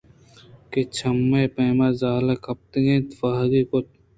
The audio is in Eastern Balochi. کہ چمّے پما زالءَکپت اَنتءُ واہگے کُت